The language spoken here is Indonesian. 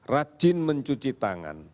rajin mencuci tangan